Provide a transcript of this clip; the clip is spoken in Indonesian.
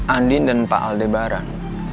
andin dan pak aldebaran